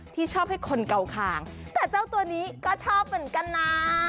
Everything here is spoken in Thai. ที่ชอบให้คนเก่าคางแต่เจ้าตัวนี้ก็ชอบเหมือนกันนะ